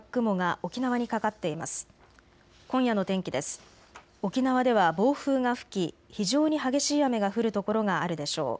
沖縄では暴風が吹き非常に激しい雨が降る所があるでしょう。